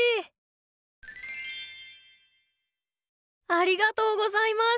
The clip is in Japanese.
ありがとうございます。